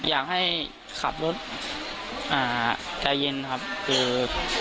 อยากให้ขับรถใจเย็นครับคือ